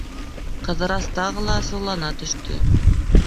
Ҡыҙырас тағы ла асыулана төштө.